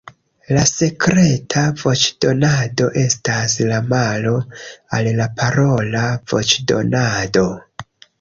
La sekreta voĉdonado estas la malo al la parola voĉdonado.